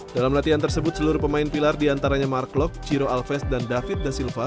dalam latihan tersebut seluruh pemain pilar diantaranya mark klok chiro alves dan david da silva